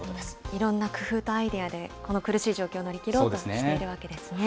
いろんな工夫とアイデアで、この苦しい状況、乗り切ろうとしているわけですね。